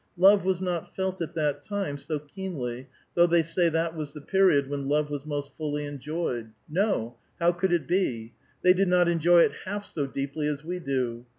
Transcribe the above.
Love was not felt at that time so keenly, though they say that was the period when love was most fully enjoyed. No, how could it be ? They did not enjoy it half so deeply as we do.